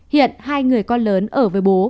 hiện hai người con lớn ở với bố